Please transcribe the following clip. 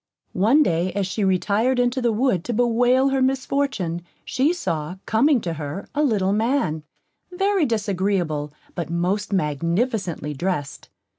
One day, as she retired into the wood to bewail her misfortune, she saw, coming to her, a little man, very disagreeable, but most magnificently dressed.